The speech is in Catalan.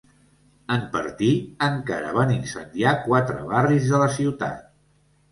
En partir, encara van incendiar quatre barris de la ciutat.